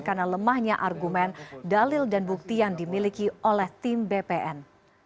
karena lemahnya argumen dalil dan bukti yang dimiliki oleh tim bpn